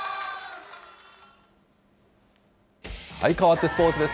かわってスポーツです。